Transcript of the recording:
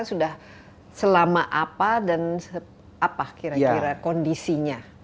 sudah selama apa dan apa kira kira kondisinya